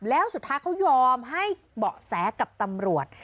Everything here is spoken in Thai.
แล้วสุดท้ายเขายอมให้เบาะแสกับตำรวจ